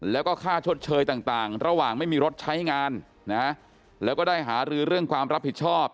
แล้วก็ค่าชดเชยต่างระหว่างไม่มีรถใช้งานนะแล้วก็ได้หารือเรื่องความรับผิดชอบ